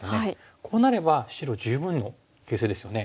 こうなれば白十分の形勢ですよね。